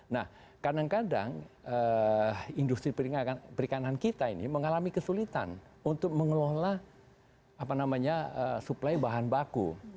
nah kadang kadang industri perikanan kita ini mengalami kesulitan untuk mengelola suplai bahan baku